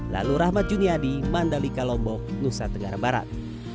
lalu rahmat juniadi mandali kalombok nusa tenggara barat